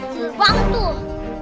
seru banget tuh